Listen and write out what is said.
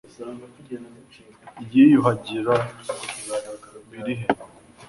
kwiyuhagira biri he